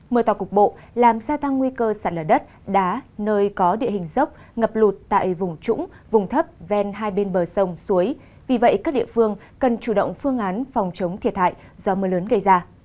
mưa to cục bộ làm gia tăng nguy cơ sạt lở đất đá nơi có địa hình dốc ngập lụt tại vùng trũng vùng thấp ven hai bên bờ sông suối vì vậy các địa phương cần chủ động phương án phòng chống thiệt hại do mưa lớn gây ra